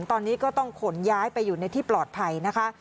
ตอนนี้ก็ต้องขนย้ายไปอยู่ในที่ปลอดภัยนะคะ